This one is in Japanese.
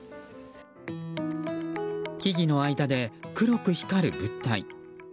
木々の間で黒く光る物体。